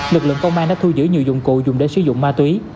lực lượng công an đã thu giữ nhiều dụng cụ dùng để sử dụng ma túy